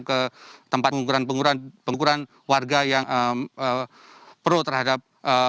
ke tempat pengukuran pengukuran warga yang pro terhadap